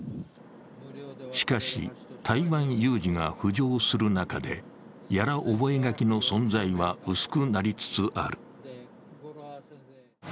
しかし、台湾有事が浮上する中で屋良覚書の存在は薄くなりつつある。